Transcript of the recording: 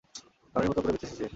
রানির মতো করে বেঁচেছে সে।